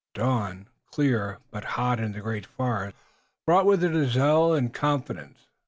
The dawn, clear but hot in the great forest, brought with it zeal and confidence.